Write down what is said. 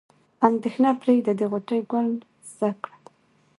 اندیښنه پرېږده د غوټۍ توکل زده کړه.